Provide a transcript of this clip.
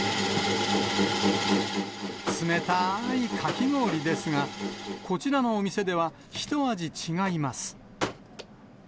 冷たーいかき氷ですが、こちらのお店では、一味違います。